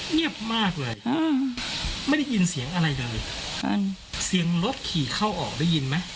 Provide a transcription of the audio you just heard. เงียบมากเลยอ่าไม่ได้ยินเสียงอะไรเลยอ่าเสียงรถขี่เข้าออกได้ยินไหม